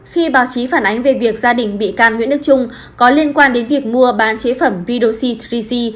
khi báo chí phản ánh về việc gia đình bị can nguyễn đức trung có liên quan đến việc mua bán chế phẩm redoxy dgc